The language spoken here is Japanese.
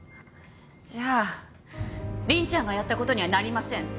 じゃあ凛ちゃんがやった事にはなりません。